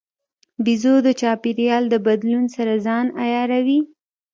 بیزو د چاپېریال د بدلون سره ځان عیاروي.